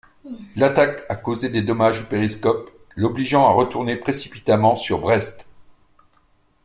L'attaque a causé des dommages au périscope, l'obligeant à retourner précipitamment sur Brest.